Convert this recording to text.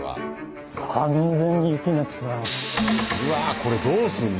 これどうすんの？